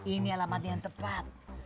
ini alamatnya yang tepat